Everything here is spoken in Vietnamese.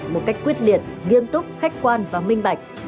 một cách quyết liệt nghiêm túc khách quan và minh bạch